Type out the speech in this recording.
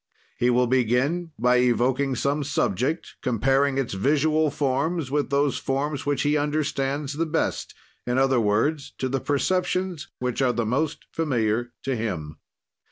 He will begin by evoking some subject, comparing its visual forms with, those forms which he understands the best, in other words, to the perceptions which are the most familiar to him.